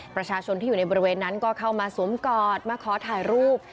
ประชาชนที่อยู่ในบริเวณนั้นก็เข้ามาสวมกอดมาขอถ่ายรูป